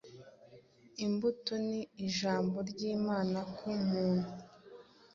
Imbuto ni Ijambo ry’Imana ku muntu